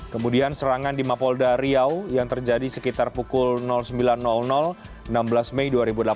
kemudian serangan di mapolda riau yang terjadi sekitar pukul sembilan enam belas mei dua ribu delapan belas